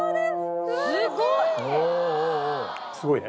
すごいね。